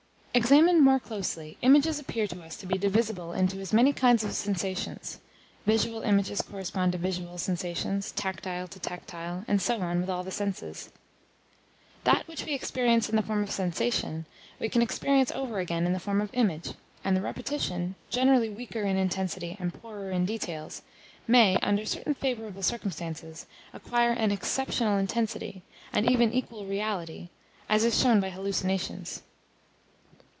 Examined more closely, images appear to us to be divisible into as many kinds as sensations: visual images correspond to visual sensations, tactile to tactile, and so on with all the senses. That which we experience in the form of sensation, we can experience over again in the form of image, and the repetition, generally weaker in intensity and poorer in details, may, under certain favourable circumstances, acquire an exceptional intensity, and even equal reality: as is shown by hallucinations.